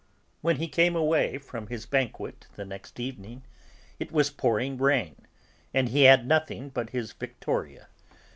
When he came away from his banquet, the next evening, it was pouring rain, and he had nothing but his victoria.